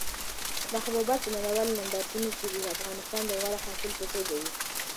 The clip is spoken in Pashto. دا حبوبات په نړیوالو نندارتونونو کې د افغانستان د غوره حاصل په توګه وو.